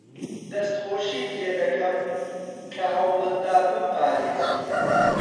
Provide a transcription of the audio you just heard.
دەستخۆشیت لێ دەکەم کە هەوڵت دا بمپارێزیت.